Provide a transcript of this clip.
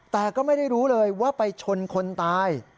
แต่ก็ไม่ได้รู้เลยว่าไปชนคนตาย